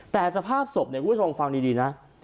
แต่สภาพศพเนี่ยกูจะลองฟังดีนะ